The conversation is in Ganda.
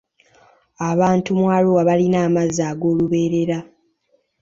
Abantu mu Arua balina amazzi ag'olubeerera.